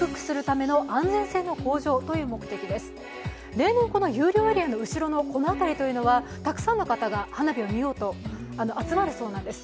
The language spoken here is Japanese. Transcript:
例年、有料エリアのこの辺りというのは、たくさんの方が花火を見ようと集まるそうなんです。